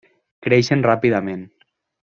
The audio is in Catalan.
Creixen ràpidament.